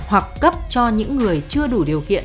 hoặc cấp cho những người chưa đủ điều kiện